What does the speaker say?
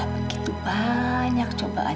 begitu banyak cobaan